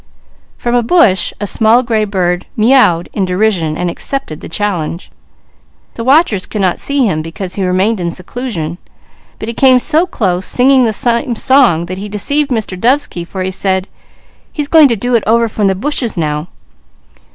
From a bush a small gray bird meouwed in derision and accepted the challenge. The watchers could not see him, but he came so close singing the same song that he deceived Mr. Dovesky, for he said: "He's going to do it over from the bushes now!"